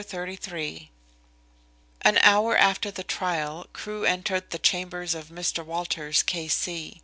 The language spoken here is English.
CHAPTER XXXIII An hour after the trial Crewe entered the chambers of Mr. Walters, K.C.